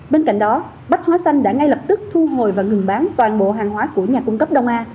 bên cạnh đó bách hóa xanh đã ngay lập tức thu hồi và ngừng bán toàn bộ hàng hóa của nhà cung cấp đông a